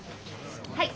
はい。